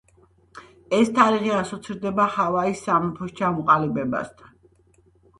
ეს თარიღი ასოცირდება ჰავაის სამეფოს ჩამოყალიბებასთან.